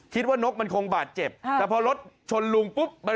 นกมันคงบาดเจ็บแต่พอรถชนลุงปุ๊บ